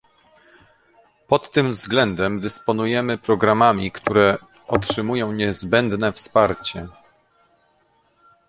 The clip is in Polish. Pod tym względem dysponujemy programami, które otrzymują niezbędne wsparcie